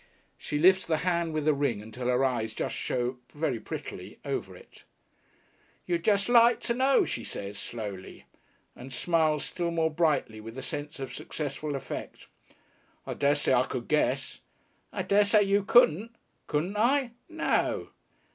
She lifts the hand with the ring until her eyes just show (very prettily) over it. "You'd just like to know," she says slowly, and smiles still more brightly with the sense of successful effect. "I dessay I could guess." "I dessay you couldn't." "Couldn't I?" "No!"